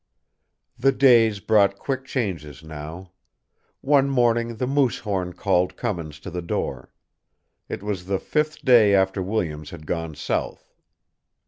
The days brought quick changes now. One morning the moose horn called Cummins to the door. It was the fifth day after Williams had gone south.